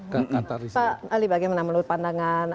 pak ali bagaimana menurut pandangan